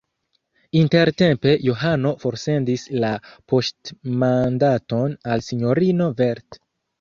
Intertempe Johano forsendis la poŝtmandaton al sinjorino Velt.